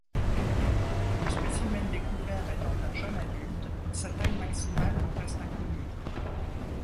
Le spécimen découvert étant un jeune adulte, sa taille maximale reste inconnue.